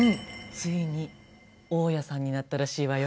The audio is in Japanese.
ついに大家さんになったらしいわよ。